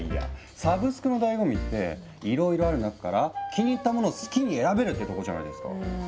サブスクのだいご味っていろいろある中から気に入ったものを好きに選べるってとこじゃないですか。